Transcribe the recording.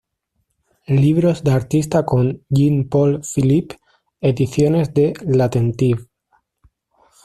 Libros de artista con Jean-Paul Philippe, ediciones de l’Attentive.